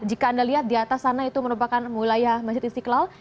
jika anda lihat di atas sana itu merupakan wilayah masjid istiqlal